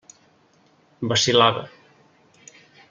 Vacil·lava.